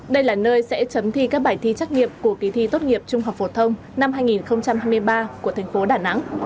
đây là nơi sẽ chấm thi các bài thi trắc nghiệm của kỳ thi tốt nghiệp trung học phổ thông năm hai nghìn hai mươi ba của thành phố đà nẵng